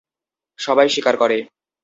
সবাই শিকার করে।